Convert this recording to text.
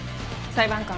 裁判官。